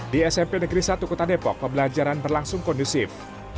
di smp negeri satu kota depok pembelajaran berlangsung kondusif